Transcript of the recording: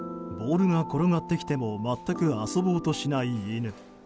ボールが転がってきても全く遊ぼうとしない犬。